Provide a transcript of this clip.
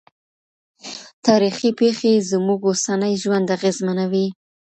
تاریخي پېښې زموږ اوسنی ژوند اغېزمنوي.